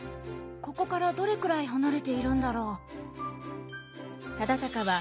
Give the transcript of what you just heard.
ここからどれくらい離れているんだろう。